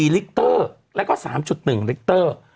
ลิกเตอร์แล้วก็๓๑ลิกเตอร์